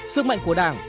sức mạnh của đảng